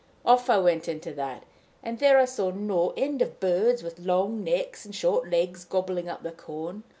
Off I went into that, and there I saw no end of birds with long necks and short legs gobbling up the corn.